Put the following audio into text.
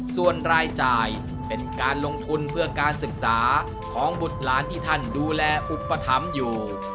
ส่วนรายจ่ายเป็นการลงทุนเพื่อการศึกษาของบุตรหลานที่ท่านดูแลอุปถัมภ์อยู่